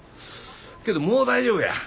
けどもう大丈夫や。